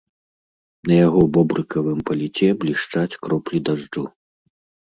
На яго бобрыкавым паліце блішчаць кроплі дажджу.